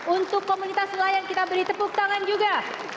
untuk komunitas nelayan kita beri tepuk tangan juga